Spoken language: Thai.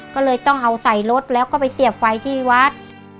ก็เลยต้องเอาใส่รถแล้วก็ไปเสียบไฟที่วัด